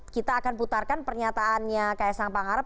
kita akan putarkan pernyataannya ks ang pangarap